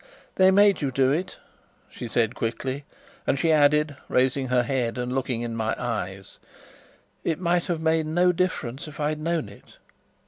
"They made you do it!" she said quickly; and she added, raising her head and looking in my eyes: "It might have made no difference if I'd known it.